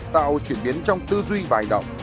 tạo chuyển biến trong tư duy vài động